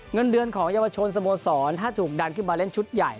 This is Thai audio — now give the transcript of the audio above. เงินเดือนของเยาวชนสโมสรถ้าถูกดันขึ้นมาเล่นชุดใหญ่